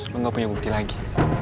lo gak punya bukti lagi